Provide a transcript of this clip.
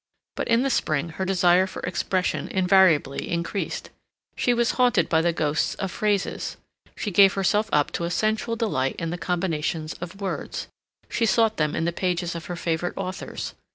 But in the spring her desire for expression invariably increased. She was haunted by the ghosts of phrases. She gave herself up to a sensual delight in the combinations of words. She sought them in the pages of her favorite authors.